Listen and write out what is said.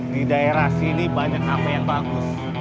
di daerah sini banyak apa yang bagus